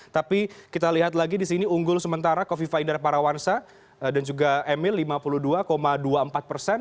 tapi kita lihat lagi di sini unggul sementara kofifa indar parawansa dan juga emil lima puluh dua dua puluh empat persen